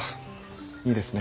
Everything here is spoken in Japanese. いいですね。